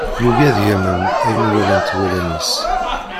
Yugi ad yamen ayen walant wallen-is.